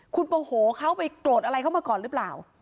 คุณโมโหเขาไปโกรธอะไรเขามาก่อนหรือเปล่า